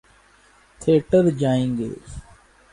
Theatre جائیں گے۔